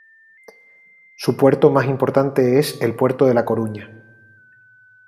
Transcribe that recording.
Su puerto más importante es el Puerto de La Coruña.